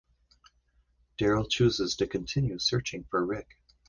Daryl chooses to continue searching for Rick.